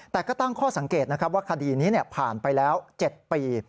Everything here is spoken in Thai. แต่ก็ตั้งข้อสังเกตนะครับว่าคดีนี้ผ่านไปแล้ว๗ปี